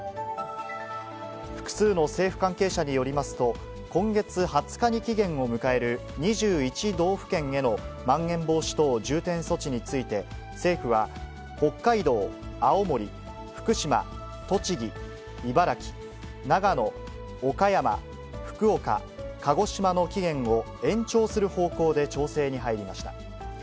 複数の政府関係者によりますと、今月２０日に期限を迎える、２１道府県へのまん延防止等重点措置について、政府は、北海道、青森、福島、栃木、茨城、長野、岡山、福岡、鹿児島の期限を延長する方向で調整に入りました。